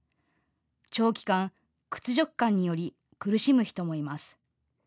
長期間、屈辱感により苦しむ人もいます。